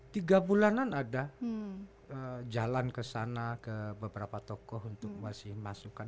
tiga bulanan ada jalan kesana ke beberapa tokoh untuk memasuki masukan